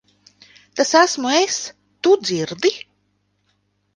Tas esmu es. Tu dzirdi?